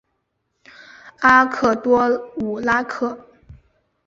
阿克多武拉克。